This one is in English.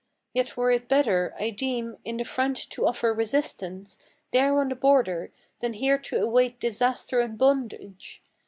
Yet were it better, I deem, in the front to offer resistance There on the border, than here to await disaster and bondage.